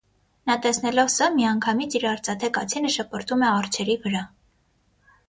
Նա տեսնելով սա միանգամից իր արծաթե կացինը շպրտում է արջերի վրա։